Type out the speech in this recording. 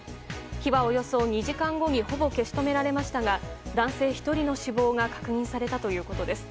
火はおよそ２時間後にほぼ消し止められましたが男性１人の死亡が確認されたということです。